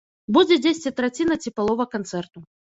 Будзе дзесьці траціна ці палова канцэрту.